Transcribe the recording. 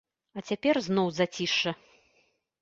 А цяпер зноў зацішша.